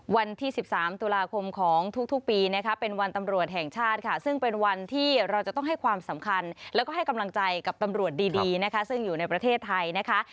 วันที่๑๓ตุลาคมของทุกปีนะคะเป็นวันตำรวจแห่งชาติค่ะซึ่งเป็นวันที่เราจะต้องให้ความสำคัญแล้วก็ให้กำลังใจกับตำรวจดีนะคะซึ่งอยู่ในประเทศไทยนะคะ